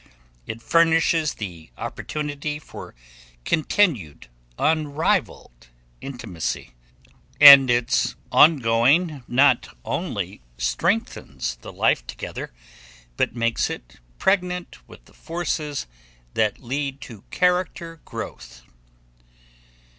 It furnishes the opportunity for continued unrivaled intimacy, and its on going not only strengthens the life together, but makes it pregnant with the forces that lead to character growth.